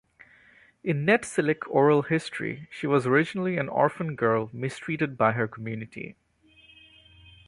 In Netsilik oral history, she was originally an orphan girl mistreated by her community.